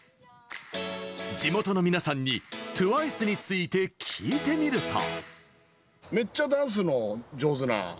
地元の皆さんにＴＷＩＣＥについて聞いてみると。